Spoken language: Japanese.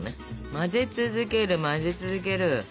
混ぜ続ける混ぜ続ける。